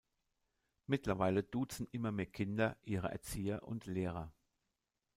Mittlerweile duzen immer mehr Kinder ihre Erzieher und Lehrer.